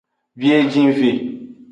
Biejenve.